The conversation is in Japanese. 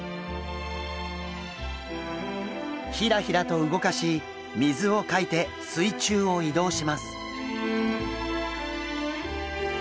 ヒラヒラと動かし水をかいて水中を移動します。